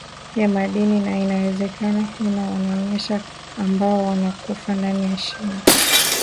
ya madini na inawezekana kuna wanajeshi ambao wanakufa ndani ya shimo